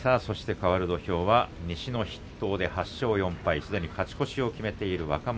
かわる土俵は西の筆頭、８勝４敗勝ち越しを決めている若元